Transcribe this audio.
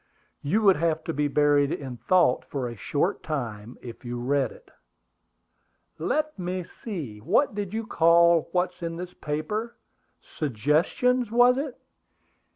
"You would have to be buried in thought for a short time if you read it." "Let me see, what did you call what's in this paper? Suggestions, was it?